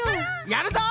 やるぞ！